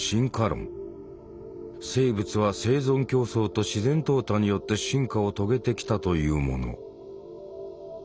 生物は生存競争と自然淘汰によって進化を遂げてきたというもの。